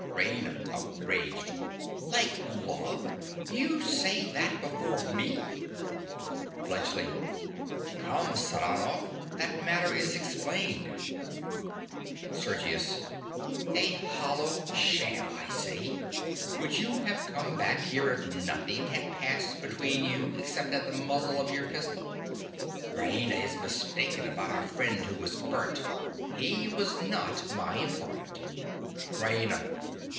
RAINA. (outraged). Like love! You say that before me. BLUNTSCHLI. Come, Saranoff: that matter is explained. SERGIUS. A hollow sham, I say. Would you have come back here if nothing had passed between you, except at the muzzle of your pistol? Raina is mistaken about our friend who was burnt. He was not my informant. RAINA.